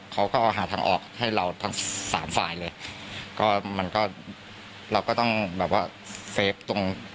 เขาก็หาทางออกให้เราทั้งสามฝ่ายเลยก็มันก็เราก็ต้องแบบว่าเฟฟตรง